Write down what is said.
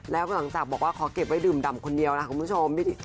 แล้วก็หลังจากบอกว่าขอเก็บไว้ดื่มดำคนเดียวนะคุณผู้ชม